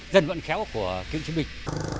dân vận khéo của cựu chiến binh